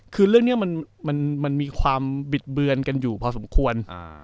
คือเรื่องนี้มันมีความบิดเบือนกันอยู่พอสมควร